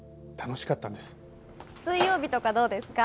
水曜日とかどうですか？